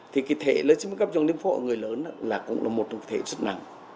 thì cái thể leukemia cấp dòng lympho ở người lớn là cũng là một thể rất nặng